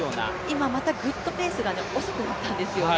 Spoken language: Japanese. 今またグッとペースが遅くなったんですよね。